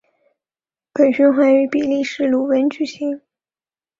本循环于比利时鲁汶举行。